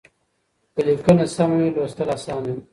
که ليکنه سمه وي لوستل اسانه وي.